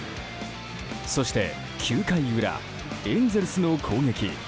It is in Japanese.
そして、９回裏エンゼルスの攻撃。